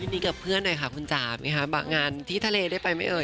ดีกับเพื่อนหน่อยค่ะคุณจ๋าไหมคะงานที่ทะเลได้ไปไหมเอ่